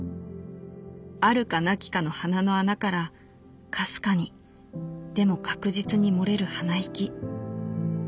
あるかなきかの鼻の穴からかすかにでも確実に漏れる鼻息。